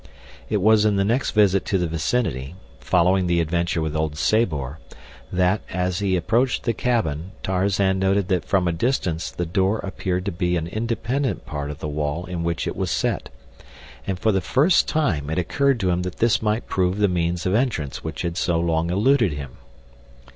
It was in the next visit to the vicinity, following the adventure with old Sabor, that, as he approached the cabin, Tarzan noticed that from a distance the door appeared to be an independent part of the wall in which it was set, and for the first time it occurred to him that this might prove the means of entrance which had so long eluded him.